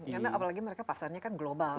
karena apalagi mereka pasarnya kan global kan